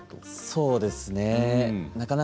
そうですね。